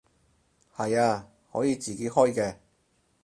係啊，可以自己開嘅